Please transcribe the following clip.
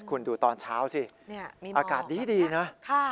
คุณดูตอนเช้าสิอากาศดีนะ